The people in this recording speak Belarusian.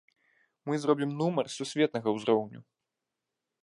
Мы зробім нумар сусветнага ўзроўню.